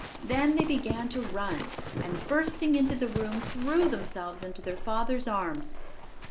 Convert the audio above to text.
Then they began to run, and, bursting into the room, threw themselves into their father's arms.